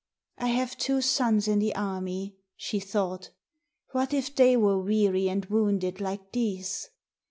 I have two sons in the army, she thought; what if they were weary and wounded like these?